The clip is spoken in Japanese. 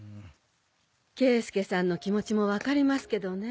圭介さんの気持ちもわかりますけどね。